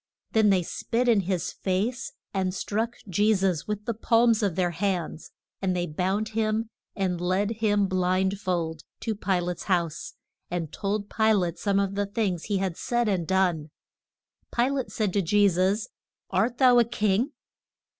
Then they spit in his face, and struck Je sus with the palms of their hands. And they bound him and led him blind fold to Pi late's house, and told Pi late some of the things he had said and done. Pi late said to Je sus, Art thou a king?